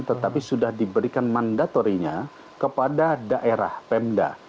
tetapi sudah diberikan mandatorinya kepada daerah pemda